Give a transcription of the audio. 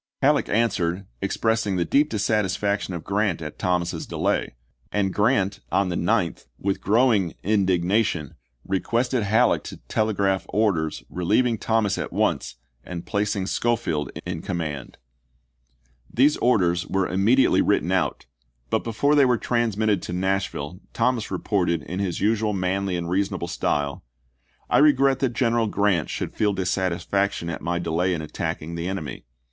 Halleck answered, express ing the deep dissatisfaction of Grant at Thomas's delay, and Grant, on the 9th, with growing indig nation, requested Halleck to telegraph orders re ibid.,p.255, lieving Thomas at once and placing Schofield in GENEKAL JOHN B. HOOt>. posite page 24. FEANKLIN AND NASHVILLE 25 command. These orders were immediately written chap. i. out, but before they were transmitted to Nashville Thomas reported in his usual manly and reasonable style, " I regret that General Grant should feel dissatisfaction at my delay in attacking the enemy.